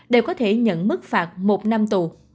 đều có thể nhận mức phạt một năm tù